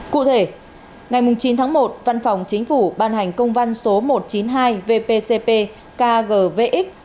cụ thể ngày chín tháng một văn phòng chính phủ ban hành công văn số một trăm chín mươi hai vpcp kgvx